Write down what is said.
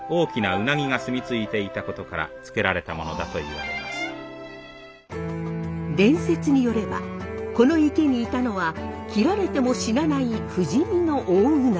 これは伝説によればこの池にいたのは切られても死なない不死身の大鰻。